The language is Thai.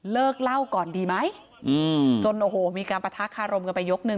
เลิกเล่าก่อนดีไหมอืมจนโอ้โหมีการปะทะคารมกันไปยกหนึ่ง